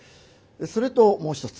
それともう一つ。